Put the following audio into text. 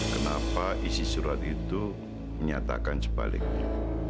kenapa isi surat itu menyatakan sebaliknya